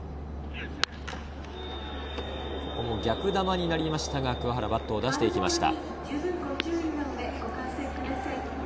ここも逆球になりましたが、桑原バットを出していきました。